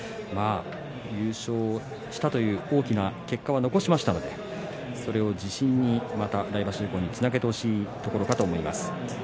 優勝したという大きな結果を残しましたのでそれを自信にまた来場所以降につなげてほしいところかと思います。